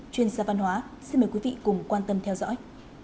chuyên gia văn hóa xin mời quý vị cùng quan tâm theo dõi